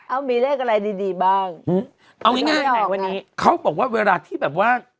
เอามีแรกอะไรดีบ้างเอาง่ายเขาบอกว่าเวลาที่แบบว่า